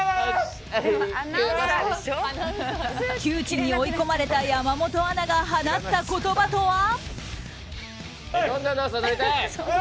窮地に追い込まれた山本アナが放った言葉とは？